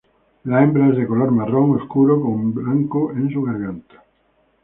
La hembra es de color marrón oscuro con blanco en su garganta.